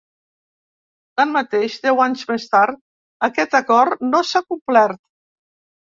Tanmateix, deu anys més tard, aquest acord no s’ha complert.